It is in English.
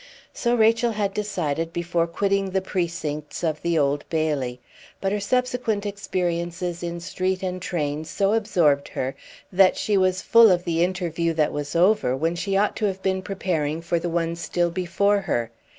So Rachel had decided before quitting the precincts of the Old Bailey; but her subsequent experiences in street and train so absorbed her that she was full of the interview that was over when she ought to have been preparing for the one still before her.